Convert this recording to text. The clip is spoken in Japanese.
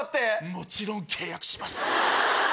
もちろん契約します。